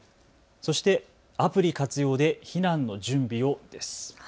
そしてアプリ活用で避難の準備を。